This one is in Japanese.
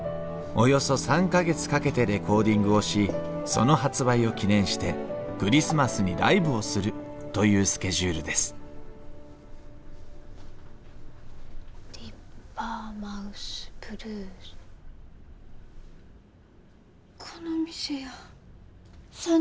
およそ３か月かけてレコーディングをしその発売を記念してクリスマスにライブをするというスケジュールです「ディッパーマウスブルース」。